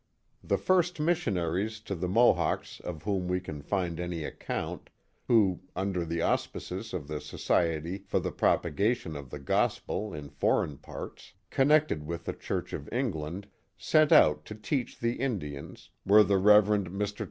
The first missionaries to the Mo hawks of whom we can find any account, who, under the auspices of the Society for the Propagation of the Gospel in Foreign Parts, connected with the Church of England, sent out to teach the Indians, were the Rev. Mr.